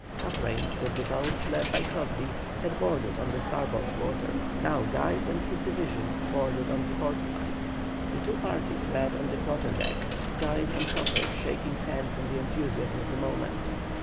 Cochrane, with the boats led by Crosbie, had boarded on the starboard quarter; now Guise and his division boarded on the port side. The two parties met on the quarter deck, Guise and Cochrane shaking hands in the enthusiasm of the moment.